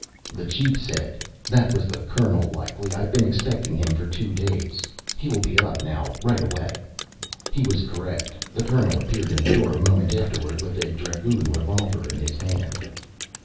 The chief said, "That was the Colonel, likely. I've been expecting him for two days. He will be up now right away." He was correct. The Colonel appeared in the door a moment afterward with a dragoon revolver in his hand.